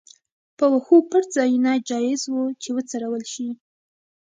په وښو پټ ځایونه جایز وو چې وڅرول شي.